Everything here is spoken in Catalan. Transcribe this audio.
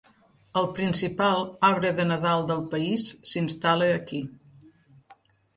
El principal arbre de Nadal del país s'instal·la aquí.